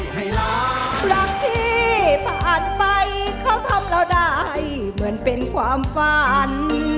ให้รักที่ผ่านไปเขาทำเราได้เหมือนเป็นความฝัน